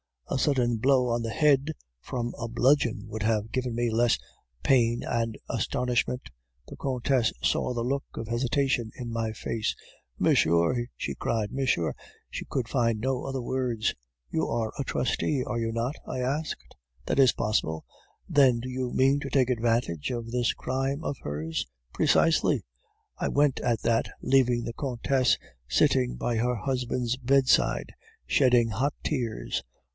"A sudden blow on the head from a bludgeon would have given me less pain and astonishment. The Countess saw the look of hesitation in my face. "'Monsieur,' she cried, 'Monsieur!' She could find no other words. "'You are a trustee, are you not?' I asked. "'That is possible.' "'Then do you mean to take advantage of this crime of hers?' "'Precisely.' "I went at that, leaving the Countess sitting by her husband's bedside, shedding hot tears.